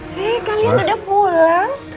eh kalian udah pulang